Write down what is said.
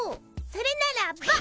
それならば！